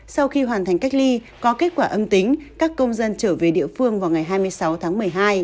sau khi hoàn thành cách ly có kết quả âm tính các công dân trở về địa phương vào ngày hai mươi sáu tháng một mươi hai